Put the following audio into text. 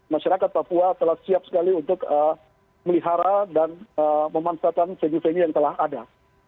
masyarakat papua telah siap sekali untuk melihara dan memanfaatkan venue venue yang telah ada